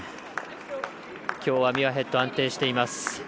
きょうはミュアヘッド安定しています。